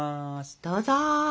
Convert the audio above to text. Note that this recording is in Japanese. どうぞ。